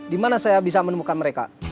dimana saya bisa menemukan mereka